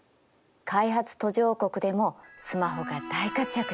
開発途上国でもスマホが大活躍してるって。